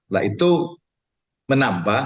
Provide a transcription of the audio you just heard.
nah itu menambah